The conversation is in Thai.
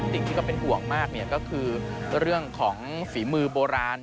สิ่งที่ก็เป็นห่วงมากก็คือเรื่องของฝีมือโบราณ